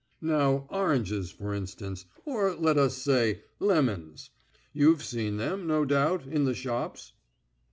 Now, oranges for instance, or, let us say, lemons.... You've seen them, no doubt, in the shops?"